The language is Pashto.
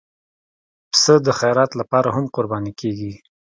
پسه د خیرات لپاره هم قرباني کېږي.